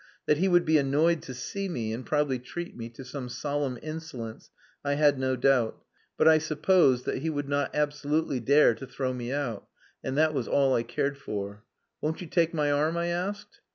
That he would be annoyed to see me, and probably treat me to some solemn insolence, I had no doubt, but I supposed that he would not absolutely dare to throw me out. And that was all I cared for. "Won't you take my arm?" I asked.